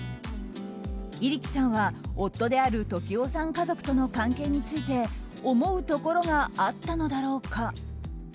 入来さんは夫である時生さん家族との関係について思うところがあったのだろうか。